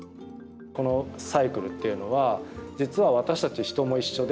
このサイクルっていうのは実は、私たち人も一緒で。